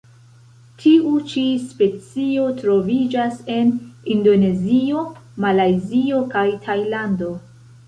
Tiu ĉi specio troviĝas en Indonezio, Malajzio kaj Tajlando.